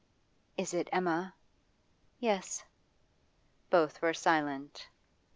'Is it Emma?' 'Yes.' Both were silent.